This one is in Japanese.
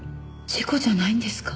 事故じゃないんですか？